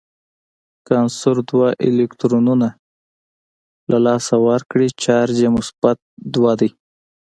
که عنصر دوه الکترونونه د لاسه ورکړي چارج یې مثبت دوه دی.